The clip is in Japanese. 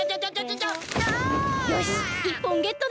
よし１ぽんゲットだ。